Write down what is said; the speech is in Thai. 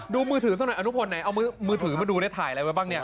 มือถือซะหน่อยอนุพลไหนเอามือถือมาดูได้ถ่ายอะไรไว้บ้างเนี่ย